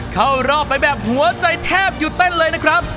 เข้ารอบไปแบบหัวใจแทบหยุดเต้นเลยนะครับ